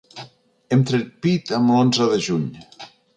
Hem tret pit amb l’onze de juny.